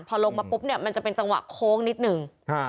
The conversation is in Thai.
พอลงมาปุ๊บเนี่ยมันจะเป็นจังหวะโค้งนิดนึง